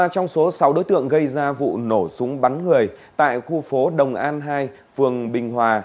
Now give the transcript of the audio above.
ba trong số sáu đối tượng gây ra vụ nổ súng bắn người tại khu phố đồng an hai phường bình hòa